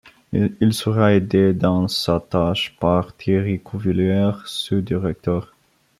Il sera aidé dans sa tâche par Thierry Cuvelier, sous-directeur.